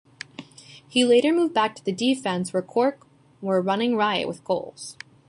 He later moved back to the defence where Cork were running riot with goals.